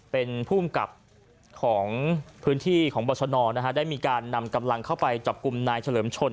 เป็นภูมิกับของพื้นที่ของบรชนได้มีการนำกำลังเข้าไปจับกลุ่มนายเฉลิมชน